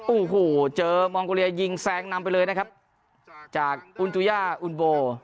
โอ้โหเจอมองโกเลียยิงแซงนำไปเลยนะครับจากอุณจูย่าอุลโบ